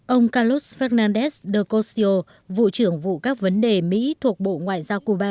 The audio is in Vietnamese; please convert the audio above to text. ông carlos fernandez de cossio vụ trưởng vụ các vấn đề mỹ thuộc bộ ngoại giao cuba